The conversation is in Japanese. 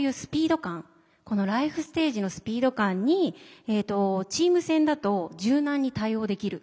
このライフステージのスピード感にチーム戦だと柔軟に対応できる。